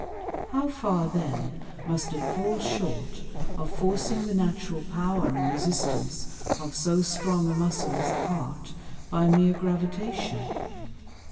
How far then must it fall short of forcing the natural Power and Resistance of so strong a Muscle as the Heart, by meer Gravitation?